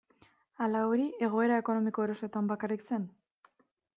Ala hori egoera ekonomiko erosoetan bakarrik zen?